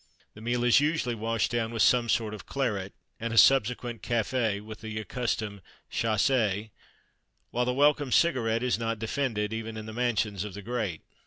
The meal is usually washed down with some sort of claret; and a subsequent café, with the accustomed chasse; whilst the welcome cigarette is not "defended," even in the mansions of the great.